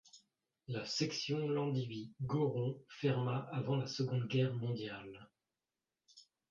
La section Landivy - Gorron ferma avant la Seconde Guerre mondiale.